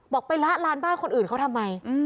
ไปละลานบ้านคนอื่นเขาทำไม